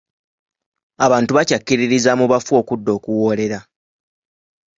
Abantu bakyakkiririza mu bafu okudda okuwoolera.